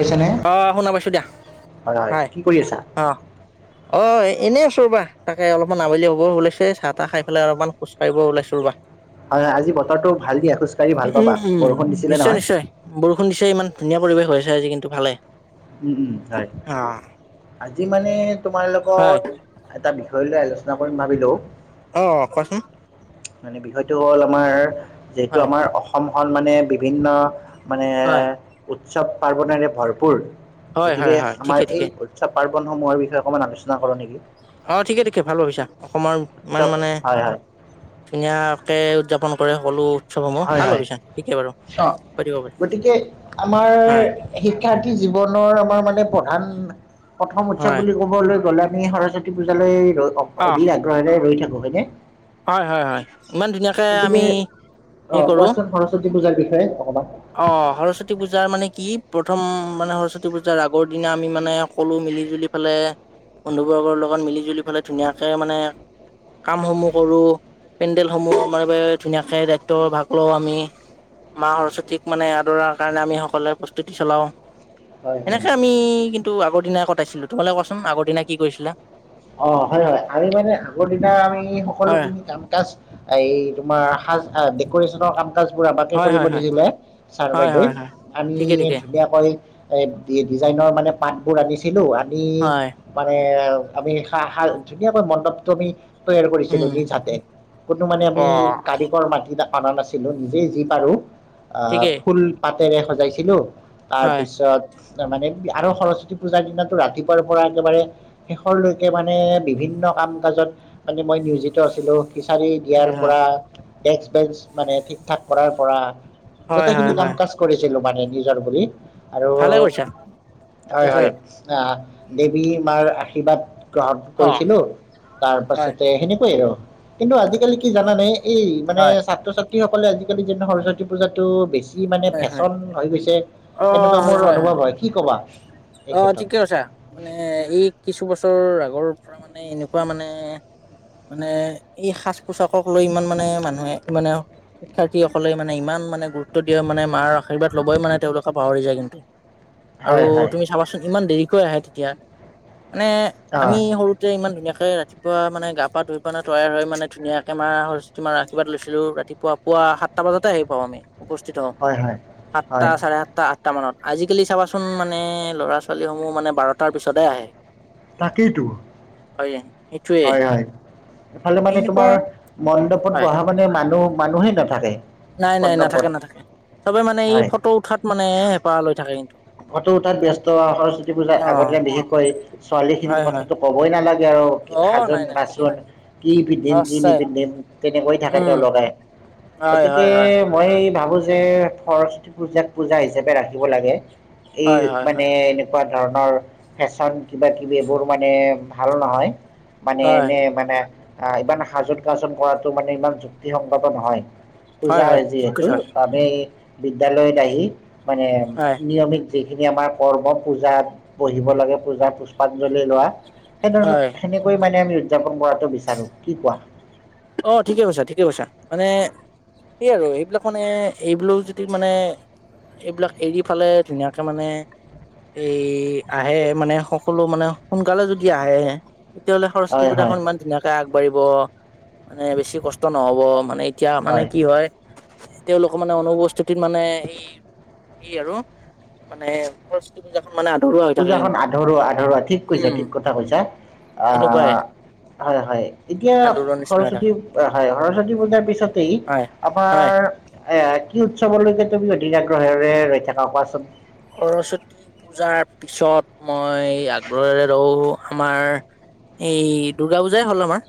পাইছানে? অ' শুনা পাইছো দিয়া হয় কি কৰি আছা? অ'। অ' এনেই আছো ৰ'বা তাকে অলপমান আবেলি হ'ব ওলাইছে, চাহ তাহ খাই পেলাই অলপমান খোজ কাঢ়িব ওলাইছোঁ ৰবা। হয় হয় আজি বতৰটো ভাল দিয়া, খোজ কাঢ়ি ভাল পাবা, উম উম। বৰষুণ দিছিলে নিশ্চয় নহয়। নিশ্চয় বৰষুণ দিছে ইমান ধুনীয়া পৰিৱেশ হৈ আছে আজি কিন্তু ভালে। উম উম হয়, আজি মানে তোমাৰ হয় লগত এটা বিষয় লৈ আলোচনা কৰিম ভাবিলো। অঁ কোৱাচোন। মানে বিষয়টো হ'ল আমাৰ যিহেতু হয় আমাৰ অসমখন মানে বিভিন্ন মানে হয় উৎসৱ পাৰ্বনেৰে ভৰপূৰ। হয় গতিকে হয় হয় ঠিকে আমাৰ ঠিকে এই উৎসৱ পাৰ্বন সমূহৰ বিষয়ে অকমান আলোচনা কৰো নেকি। অঁ ঠিকে ঠিকে ভাল ভাবিছা, অসমৰ ইমান উৎসৱ মানে হয় হয় ধুনীয়াকে উদযাপন কৰে সকলো উৎসৱসমূহ হয় ভাল হয় ভাবিছা ঠিকে বাৰু অঁ, কৰিব পাৰি গতিকে আমাৰ হয় শিক্ষাৰ্থী জীৱনৰ আমাৰ মানে প্ৰধান প্ৰথম উৎসৱ হয় বুলি কব বলৈ গ'লে আমি সৰস্বতী পূজালৈ অ অধিৰ আগ্ৰহেৰে ৰৈ থাকো হয়নে? হয় হয় হয় ইমান ধুনীয়াকে আমি হেৰি অঁ কোৱাঁচোন সৰস্বতী পূজাৰ বিষয়ে অকমান। অঁ সৰস্বতী পূজাৰ মানে কি, প্ৰথম মানে সৰস্বতী পূজাৰ আগৰ দিনা আমি মানে সকলো মিলি জুলি ফালে বন্ধু বৰ্গৰ লগত মিলি জুলি ফালে ধুনীয়াকে মানে কাম সমূহ কৰোঁ, পেণ্ডেল সমূহ আমাৰ বাবে ধুনীয়াকে দায়িত্ব ভাগ লওঁ আমি। মা সৰস্বতীক মানে আদৰাৰ কাৰণে আমি সকলোৱে প্ৰস্তুতি চলাও, হয় হয় সেনেকে আমি টো আগৰ দিনা কটাইছিলো, তোমালোকে কোৱাচোন আগৰ দিনা কি কৰিছিলা? অঁ হয় হয়। আমি মানে আগৰ দিনা আমি সকলো হয় খিনি কাম কাজ এই তোমাৰ সাজ আ ডেক'ৰেশ্যনৰ কাম কাচ বোৰ আমাকে হয় কৰিব হয় হয় দিছিলে। ছাৰ হয় বাইদেউে হয় হয় আমি ঠিকে ঠিকে তেতিয়া কই এ ডিজাইনৰ মানে পাত বোৰ আনিছিলো আনি হয় মানে আমি সা সাৰ ধুনীয়াকৈ মণ্ডপটো আমি তৈয়াৰ কৰিছিলো উম নিজ হাতে, কোনো মানে অ আমি কাৰিকৰ মাটি অনা নাছিলো, নিজেই যি পাৰো আহ ঠিকেই ফুল পাতেৰে সজাইছিলো হয় তাৰপিছত মানে কি আৰু সৰস্বতী পূজাৰ দিনাটো ৰাতি পুৱাৰ পৰা একেবাৰে লৈকে মানে বিভিন্ন কাম কাজত মানে মই নিয়োজিত আছিলোঁ। বিচাৰি দিয়াৰ হয় পৰা ডেক্ক বেঞ্চ মানে ঠিকঠাক কৰাৰ পৰা হয় গোটেইখিনি হয় কাম হয় কাজ কৰিছিলো মানে নিজৰ বুলি। আৰু ভালে কৰিছা হয় তাকে হয় আহ দেৱী মাৰ আশীৰ্বাদ গ্ৰহণ অ কৰিছিলো তাৰ হয় পাছতে সেনেকুৱাই আৰু কিন্তু আজিকালি কি জানানে? এই মানে হয় ছাত্ৰ ছাত্ৰীসকলে আজিকালি যে সৰস্বতী পূজাটো বেছি কি মানে হয় হয় ফেশ্বন হৈ গৈছে এনেকুৱাঁ মোৰ অনুভৱ হয় কি কবা? এই অহ, ক্ষেত্ৰত ঠিকে কৈছা মানে এই কিছু বছৰ আগৰ পৰা মানে এনেকুৱা মানে মানে ই সাজ পোচাকক লৈ ইমান মানে মানুহে মানে শিক্ষাৰ্থী সকলে মানে ইমান মানে গুৰুত্ব দিয়ে, মানে মাৰ আশীৰ্বাদ লবই মানে তেওঁলোকে পাহৰি যায় কিন্তু। [inaudible] আৰু হয় তুমি চাবাছোঁন ইমান দেৰিকৈ আহে তেতিয়া মানে অ আমি সৰু তেতিয়া ইমান ধুনীয়াকে ৰাতিপুৱা মানে গা পা ধুই পনা তৈয়াৰ হৈ মানে ধুনীয়াকে মাৰ সৰস্বতী মাৰ আশীৰ্বাদ লৈছিলোঁ ৰাতিপ পুৱা, পুৱা সাতটা বজাতে আহি পাওঁ আমি। উপস্থিত হওঁ, হয় হয় সাতটা হয় চাৰে সাতটা আঠটা মানত আজিকালি চাবাছোন মানে মানে ল'ৰা -ছোৱালী সমূহ মানে বাৰটাৰ পিছতে আহে। তাকেইটো। হয়ে। হয়, হয়। এইফালে মানে এনেকুৱা তোমাৰ মণ্ডপত হয় বহা মানে মানুহ মানুহে নাপ [unintelligible] থাকেই- নাই, নাই। নাথাকে নাথাকে চবেইমানে এই হয় ফটো উঠাত মানে হেঁপাহ লৈ থাকে। ফটো উঠাত ব্যস্ত হয়। সৰস্বতী পূজাৰ অ আগতে বিশেষকৈ ছোৱালী হয় খিনিৰ হয় কথাটো ক'বই নালাগে আৰু। অ নাই সাজোন নাই ঠিকে কছোন ঠিকে কি পিন্ধিম কি সঁচাই নিপিন্ধিম তেনেকৈ থাকে উম তেওঁলোকে। হয়, হয়। গতিকে হয় মই ভাবোঁ যে সৰস্বতী পূজাক পূজা হিচাপে ৰাখিব লাগে। - এই হয় হয় হয় মানে এনে এনেকুৱা, ‌ ধৰণৰ ফেশ্বন কিবা কিবি এইবোৰ মানে ভাল নহয়। মানে হয় এনে মানে আহ ইমান সাজোন কাছোন কৰাটৈ মানে ইমান যুক্তিসংগত নহয়। হয় পূজাৰ হয় ঠিক যিহেতু কৈছা আমি বিদ্যালয়ত আহি মানে হয় নিয়মিত যিখিনি আমাৰ কৰ্মত পূজাত বহিব লাগে। পুজাতপূজাপুষ্পাঞ্জলি লোৱা। সেই ধৰণ হয় সেনেকৈ মানে আমি উদযাপন কৰাটো বিচাৰো। কি কোৱা? অহ' ঠিকে কৈছা, ঠিকে কৈছা। মানে সেই আৰু এইবিলাক মানে [unintelligible] যদি মানে এইবিলাক এৰি ফালে ধুনীয়াকে মানে এই আহে মানে সকলো মানে সোনকালে যদি আহে। তেতিয়াহ'লে [unintelligible] সৰস্বতী হয় হয় পূজাখন ইমান ধুনীয়াকে আগবাঢ়িব। মানে বেছি কষ্ট নহ'ব, মানে এতিয়া মানে কি হয়? তেওঁলোকৰ মানে অনুপস্থিতিত মানে এই কি আৰু মানে [unintelligible] মানে আধৰুৱা হৈ থাকে পূজাখন কিন্তু আধৰুৱাঁ, আধৰুৱাঁ। ঠিক কৈছা উম ঠিক কথা কৈছা এনেকুৱাই আহ- হয়, হয় এতিয়া আধৰুৱা নিচিনা হৈ থাকে সৰস্বতী হয়, হয় সৰস্বতী পূজাৰ পিছতেই হয় হয় আমাৰ হয়, হয়। কি উৎসৱলৈকে তুমি অধিক আগ্ৰহৰে ৰৈ থাকা কোৱাছোন? সৰস্বতী পূজাৰ পিছত মই আগ্ৰহৰে ৰওঁ আমাৰ এই দুৰ্গা পূজাই হ'ল আমাৰ।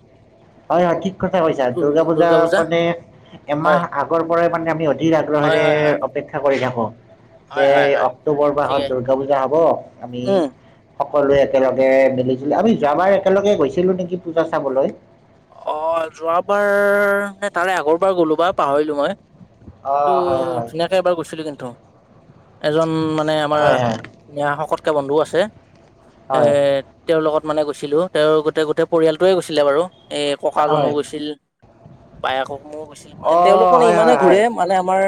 হয়, হয়। ঠিক কথা কৈছা দুৰ্গা পূজা মানে হয় এমাহ আগৰ পৰাই মানে আমি অধিক হয় আগ্ৰহৰে হয় হয় অপেক্ষা কৰি থাকোঁ। যে হয় হয় হয় অক্টোবৰ মাহত ঠিকেই দুৰ্গা পূজা হ'ব আমি উম সকলোৱে একেলগে মিলি জুলি আমি যোৱাবাৰ একেলগে গৈছিলো নেকি পূজা চাবলৈ? অহ' যোৱাবাৰ নে তাৰে আগৰবাৰ গ'লোঁ বা পাহৰিলোঁ মই। অ এইটো হয় হয় ধুনীয়াকে এবাৰ গৈছিলো কিন্তু এজন মানে আমাৰ হয় হয় নিয়া শকতকে বন্ধু আছে এ হয় তেওঁৰ লগত মানে গৈছিলো তেওঁৰ গোটেই গোটেই পৰিয়ালটোৱে গৈছিলে বাৰু এই ককাজনো হয় গৈছিল। বায়েকো গৈছিল মানে তেওঁলোক অঁ হয় ইমানে হয় হয় ঘূৰে মানে আমাৰ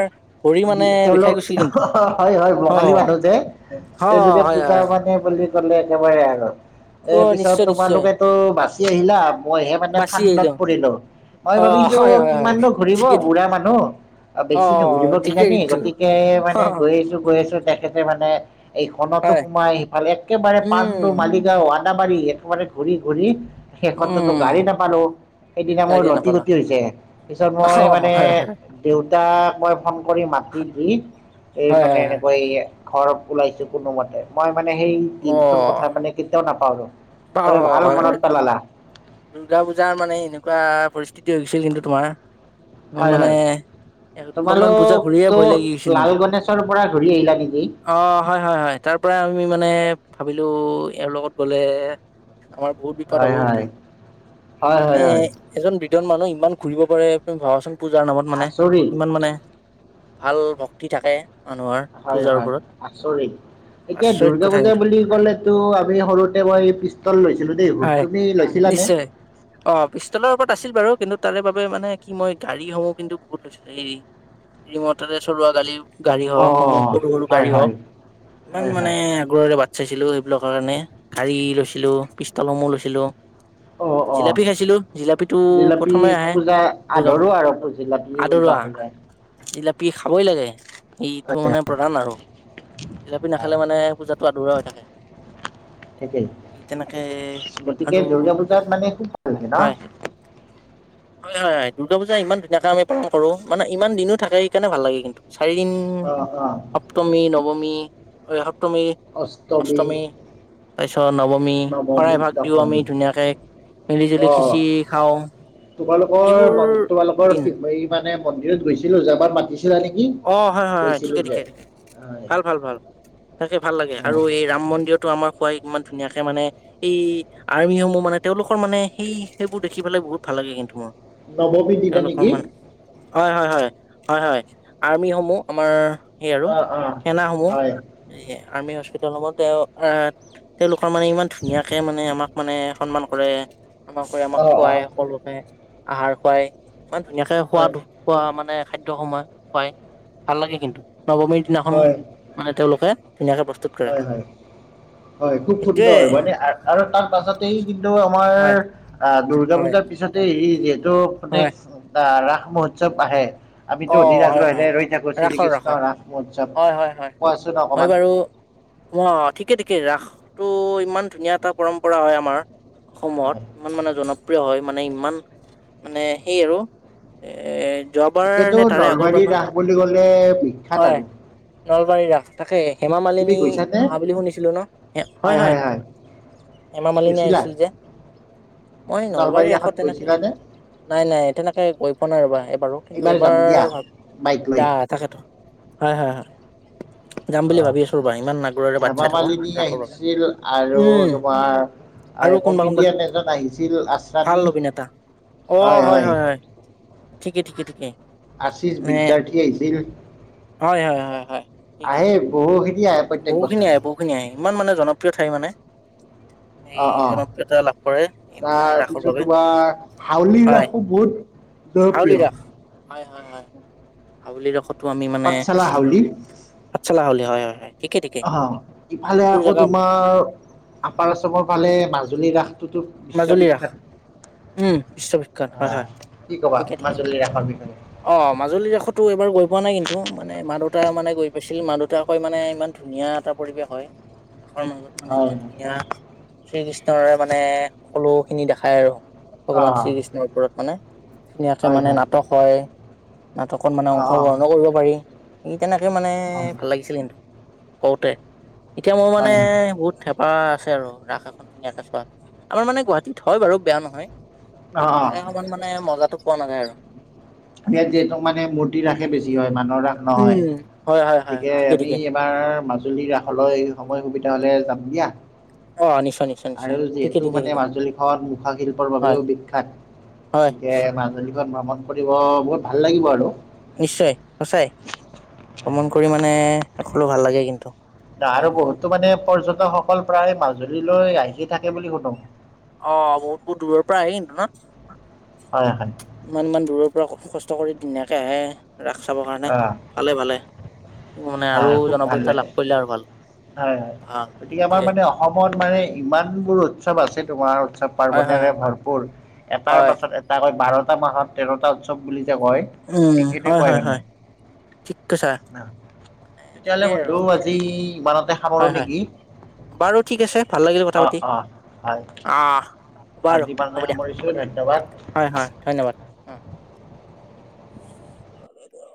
ভৰি মানে বিষাই তেওঁলোক গৈছিল কিন্তু। হয় হয় বঙালী অ'। অ', মানুহ যে হয়, তেওঁলোকে হয়। পূজা হয়। মানে বুলি ক'লে একেবাৰে আৰু এই অ', পিছত নিশ্চয় নিশ্চয় তোমালোকেতো বাচি আহিলা মইহে মানে বাচি আহিলো। ফান্দত পৰিলো মই অ', ভাবিছো হয়, হয়, হয়, কিমাননো ঘূৰিব ঠিকে ঠিকে বুঢ়া মানুহ বেছি নুঘুৰিব অ', কি ঠিকে জানি কিন্তু। গতিকে মানে গৈ আছো গৈ আছো তেখেতে মানে এই খনতো হয়, সোমাই সেইফালে একেবাৰে উম, পাণ্ডো মালিক আদাবাৰি একবাৰে ঘূৰি ঘূৰি সেইখতটো উম। গাড়ী নাপালো সেইদিনা মোৰ গাড়ীয়ে লতি নাপালা গুটি হৈছে পিছত অ মই মানে হয় হয় দেউতাক মই ফোন কৰি মাটি দি এই হয় মানে হয় হয় এনেকৈ এই ঘৰত ওলাইছো কোনোমতে মই মানে সেই অ দিনটোৰ কথা মানে কেতিয়াও নাপাহৰোঁ বা তুমি ভাল হয় মনত হয় পেলালা। দুৰ্গা পূজাৰ মানে এনেকুৱা পৰিস্থিতি হৈ গৈছিল কিন্তু তোমাৰ মোৰ হয় মানে হয় দুখনমান পূজা ঘূৰিয়ে তোমালোকতো ভয় লাগি গৈছিল লাল কিন্তু গনেশৰ পৰা ঘূৰি আহিলা নিকি? অ হয় হয় হয় তাৰ পৰা আমি মানে ভাবিলো এওঁৰ লগত গ'লে আমাৰ বহুত বিপদ হ'ব হয় কিন্তু হয় হয় মানে, হয় হয় এজন বৃদ্ধন মানুহ ইমান ঘুৰিব পাৰে, তুমি ভাবাচোন। পূজাৰ নামত মানে, আচৰিত ইমান মানে, ভাল ভক্তি থাকে। মানুহৰ হয়, পূজাৰ হয়, ওপৰত আচৰিত। এতিয়া আচৰিত দুৰ্গা কথা পূজা কিন্তু বুলি ক'লেতো আমি সৰুতে মই পিষ্টল লৈছিলো দেই খুব হয় তুমি লৈছিলানে? নিশ্চয় অ', পিষ্টলৰ ওপৰত আছিল বাৰু, কিন্তু তাৰে বাবে মানে কি মই গাড়ীসমূহ কিন্তু বহুত লৈছিলোঁ। এই ৰিমৰতেৰে চলোৱা গাড়ি গাড়ী অ হওক সমূহ, সৰু-সৰু হয় গাড়ী হওক, হয় ইমান হয় মানে হয় আগ্ৰহৰে ব চাইছিলো, এইবিলাকৰ কাৰণে, গাড়ী লৈছিলো, পিষ্টালসমূহ লৈছিলো। অ', জিলাপি খাইছিলো জিলাপিটো অ', জিলাপি প্ৰথমে আহে পূজা যোগা আদৰো আৰু জিলাপ আদৰুৱা [unintelligible] জিলাপি খাবই লাগে, এইটো মানে প্ৰধান আৰু। জিলাপী নাখালে মানে, পূজাটো আধৰুৱ হৈ থাকে। ঠিকেই তেনেকে, গতিকে আৰু দুৰ্গা পূজাত মানে খোব ভাল লাগে ন'। হয় হয়, হয়, দুৰ্গা পূজা ইমান ধুনীয়াকে আমি পালন কৰো, মানে ইমান দিনো থাকে, সেইকাৰণে ভাল লাগে কিন্তু, চাৰিদিন অ, অ ষষ্টমী, নবমি, সপ্তমী অষ্টমী তাৰপিছত নৱমী, শৰাই নৱমী এভাগ দিওঁ আমি দশমী ধুনীয়াকে, মিলি জুলি অঁ খিছিৰি খাওঁ। তোমালোকৰ এইবোৰ ম তোমালোকৰ দিন মানে মন্দিৰত গৈছিলো, যোৱাবাৰ মাতিছিলা নেকি। অ', হয়, হয়, হয়, গৈছিলোঁ ঠিকে, যে ঠিকে, ঠিকে, হয় ভাল, ভাল, ভাল, তাকে ভাল লাগে, অঁ আৰু এই ৰাম মন্দিৰত টো আমাৰ খুৱাই ইমান ধুনীয়াকে মানে এই আৰ্মিসমূহ মানে তেওঁলোকৰ মানে সেই সেইবোৰ দেখি পেলেই বহুত ভাল লাগে, কিন্তু মোৰ। নৱমী দিনা তেওঁলোকৰ নেকি মানে হয়, হয়, হয়, হয়, হয়, আৰ্মিসমূহ আমাৰ সেই আৰু, অঁ অঁ সেনাসমূহ হয় এই আৰ্মি হস্পিতলসমূহ তেওঁ আহ তেওঁলোকৰ মানে ইমান ধুনীয়াকে মানে আমাক মানে সন্মান কৰে। আমাক কৰি আমাক অঁ অঁ খুৱাই সকলোকে আহাৰ খুৱাই ইমান ধুনীয়াকে হয় হয় খোৱাদ খোৱা মানে খাদ্যয় সময় খুৱাই, ভাল লাগে কিন্তু, নৱমীৰ দিনাখনো হয় মানে তেওঁলোকে ধুনীয়াকে বস্তু হয়, হয়, হয় খুব সেইটোয়ে সুন্দৰ, মানে আৰু তাৰ পাছত তেই কিন্তু আমাৰ হয় আহ দুৰ্গা হয় পূজাৰ পিছতে হৰি যিহেতু মানে হয় ৰাস মহোৎসৱ আহে। আমিতো অ অধিন হয় আগ্ৰহেৰে হয় ৰৈ থাকো, ৰাসৰ শ্ৰীকৃষ্ণ ৰাসৰ ৰাস মহোৎসৱ, হয় হয় হয় কোৱাচোন মই অকমান? বাৰু অ' ঠিকে, ঠিকে ৰাসটো ইমান ধুনীয়া এটা পৰম্পৰা হয় আমাৰ। সমূহত হয় ইমান মানৰ জন প্ৰীয় হয়, মানে ইমান মানে সেই আৰু এ জব এতিয়াতো নলবাৰীৰ ৰাস বুলি গ'লে বিখ্যাত হয় আৰু। নলবাৰীৰ ৰাস, তাকে হেমা তুমি মালিনী গৈছানে আহা বুলি শুনিছিলো ন হয়, হয়। হেমা মালিনী গৈছিলা আহিছিল যে, মই নলবাৰী ৰাসত তেনেকে নাই, নাই তেনেকে গৈ পোৱা নাই ৰবা এইবাৰো কিন্তু এইবাৰ যাম দিয়া বাইক এইবাৰ লৈ যা তাকেতো। হয়, হয়, হয়। যাম [inaudible] বুলি অ' ভাবি আছো ৰ'বা ইমান আগ্ৰহেৰে বাট হেমা চাই থাকো মালিনী ৰাসৰ বাবে। আহিছিল আৰু উম আৰু তোমাৰ কোনোবা কোনোবা কমেডিয়ান এজন আহিছিল ভাল আশ্ৰানী। অভিনেতা অ' হয়, হয়, হয় ঠিকেই, ঠিকেই, ঠিকেই। আশীছ বিদ্যাৰ্থী আহিছিল, হয় হয় আহে বহু খিনি বহু খিনি আহে, বহুখিনি আহে ইমান মানে জনপ্ৰিয় ঠাই মানে। এই অঁ অঁ জনপ্ৰিয়তা লাভ কৰে। এই মানে ৰাসৰ তাৰপিছত বাবে তোমাৰ হাউলিৰ হয় ৰাসো বহুত হাউলি জনপ্ৰিয়। ৰাস হয়, হয়, হয় হাৱলিৰ ৰখো আমি মানে পাঠশালা হাউলি পাতসালা হাউলী হয়, হয়। ঠিকে ঠিকে অ' শইফালে এইবোৰ আকৌ জেগা তোমাৰ আপাৰচৰ ফালে মাজুলী ৰাস টোতো মাজুলী ৰাস বিশ্ববিখ্যাত। উম বিশ্ববিখ্যাত হয় অ' হয় কি কবা ঠিকে ঠিকে মাজুলীৰ ৰাখৰ বিষয়ে। অ' মাজুলীৰ দসো এইবাৰ গৈ পোৱা নাই কিন্তু মানে মা-দেউতা মানে গৈ পাইছিল মা-দেউতাক কয় মানে ইমান ধুনীয়া এটা পৰিৱেশ হয় ধ মানে হয় ইমান ধুনীয়া শ্ৰীকৃষ্ণৰে মানে সকলো খিনি দেখাই আৰু। ভগৱান অঁ শ্ৰীকৃষ্ণৰ ওপৰত মানে ধুনীয়াকে মানে নাটক হয়। নাটকত মানে অঁ অংশগ্ৰহণো কৰিব পাৰি ই তেনেকে মানে অঁ ভাল লাগিছিলে কিন্তু। কৰওতে এতিয়া মোৰ মানে হয় হয় হয় বহুত থেপা আছে আৰু ৰাস এখন ধুনীয়াকে চোৱা। আমাৰ মানে গুৱাহাটীত হয় বাৰু বেয়া নহয় অঁ অঁ তাৰে অকমান মানে মজাটো পোৱা নাযায় আৰু। ই ইয়াত যিহেতু মানে মূৰ্তি ৰাসে বেছি হয় মানুহৰ ৰাস নহয় উম হয় হয় হয় গতিকে ঠিকে আমি ঠিকে তাৰ মাজুলীৰ ৰাসলৈ সময় সুবিধা হলে যাম দিয়া। অ নিশ্চয় নিশ্চয় আৰু নিশ্চয় ঠিকে যিহেতু ঠিকে মানে ঠিকে মাজুলীখনত মুখাশিল্পৰ হয় বাবেও বিখ্যাত। হয় গতিকে মাজুলীখন ভ্ৰমণ কৰিব মোৰ ভাল লাগিব আৰু। নিশ্চয় সচাই ভ্ৰমণ কৰি মানে সলে ভাল লাগে কিন্তু। নহ তাৰে আৰু বহুতো মানে পৰ্যটকসকল প্ৰায় মাজুলীলৈ আহি থাকে বুলি শুনো। অ' বহুত, বহুত দূৰৰ পৰা আহে ন? হয়, হয়। ইমানমান দূৰৰ পৰা কষ্ট কৰি ধুনীয়াকে আহে ৰাস চাবৰ কাৰণে অঁ ভালে, ভালে। মানে আৰু হয় খুব ভাল জনপ্ৰিয়তা লাগে লাভ কৰিলে আৰু ভাল হয় হয় ভাল গতিকে আমাৰ সেইটোয়ে। মানে অসমত মানে ইমানবোৰ উৎসৱ আছে তোমাৰ উৎসৱ। হয় হয় পাৰ্বণেৰে হয় ভৰপূৰ। এটাৰ হয়। পাছত এটাকৈ বাৰটা মাহত তেৰটা উৎসৱ বুলি যে কয়। উম ঠিক হয় সেনেকুৱাই হয় হয় মানে ঠিক কৈছা। মানে তেতিয়াহ'লে ঠিকেই আৰু। বন্ধু আজি ইমানতে সামৰো হয় হয় নেকি? বাৰু ঠিক আছে ভাল লাগিলে কথা অ পাতি অ হয় অ'। বাৰু আজি ইমানতে হ'ব দিয়া, সামৰিছোঁ ধন্যবাদ হয় হয় ধন্যবাদ! [inaudible]